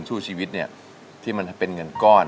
สู้ชีวิตเนี่ยที่มันเป็นเงินก้อน